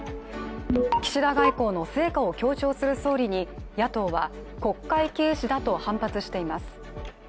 岸田外交の成果を強調する総理に野党は国会軽視だと反発しています。